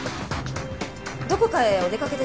どこかへお出かけですか？